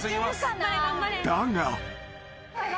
［だが］